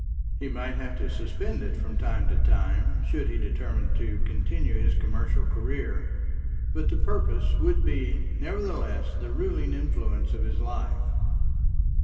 He might have to suspend it from time to time, should he determine to continue his commercial career; but the purpose would be nevertheless the ruling influence of his life.